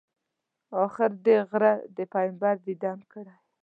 آخر دې غره د پیغمبر دیدن کړی.